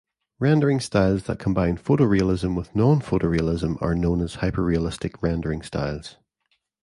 Rendering styles that combine photorealism with non-photorealism are known as hyperrealistic rendering styles.